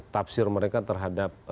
tafsir mereka terhadap